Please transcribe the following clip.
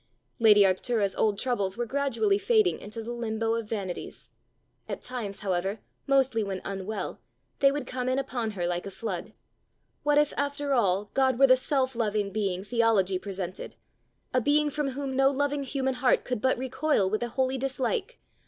Lady Arctura's old troubles were gradually fading into the limbo of vanities. At times, however, mostly when unwell, they would come in upon her like a flood: what if, after all, God were the self loving being theology presented a being from whom no loving human heart could but recoil with a holy dislike!